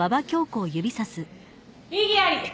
異議あり。